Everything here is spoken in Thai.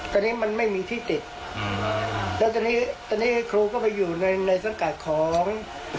ตอนนี้มันไม่มีที่ติดแล้วตอนนี้ตอนนี้ครูก็ไปอยู่ในสังกัดของ